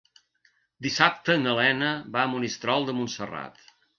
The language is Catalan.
Dissabte na Lena va a Monistrol de Montserrat.